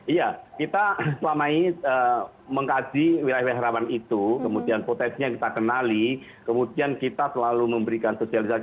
iya kita selama ini mengkaji wilayah wilayah rawan itu kemudian potensinya kita kenali kemudian kita selalu memberikan sosialisasi